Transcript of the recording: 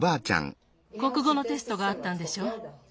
こくごのテストがあったんでしょ。